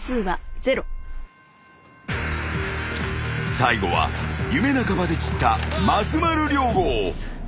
［最後は夢半ばで散った松丸亮吾］